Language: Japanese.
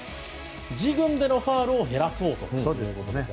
自軍でのファウルを減らそうということです。